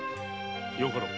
よかろう。